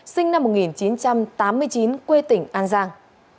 sinh năm một nghìn chín trăm tám mươi chín quê tỉnh an giang